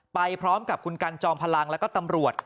ไปพร้อมกับคุณกันจอมพลังแล้วก็ตำรวจ